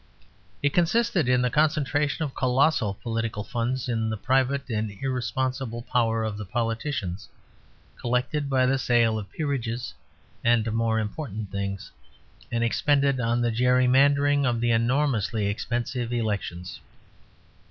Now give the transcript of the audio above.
It consisted in the concentration of colossal political funds in the private and irresponsible power of the politicians, collected by the sale of peerages and more important things, and expended on the jerrymandering of the enormously expensive elections.